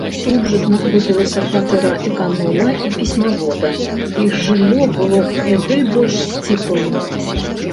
Тут жа знаходзілася кватэра эканома і пісьмавода, іх жыллё было куды больш сціплым.